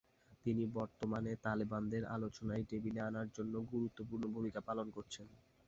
তিনি বর্তমানে তালেবানদের আলোচনায় টেবিলে আনার জন্য গুরুত্বপূর্ণ ভূমিকা পালন করছেন।